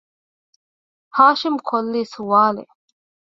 ؟ ހާޝިމް ކޮށްލީ ސްވާލެއް